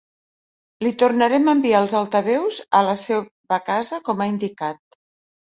Li tornarem a enviar els altaveus a la seva casa com ha indicat.